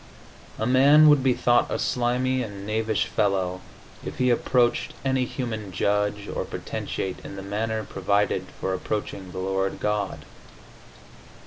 A man would be thought a slimy and knavish fellow if he approached any human judge or potentate in the manner provided for approaching the Lord God.